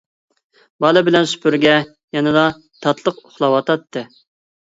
بالا بىلەن سۈپۈرگە يەنىلا تاتلىق ئۇخلاۋاتاتتى.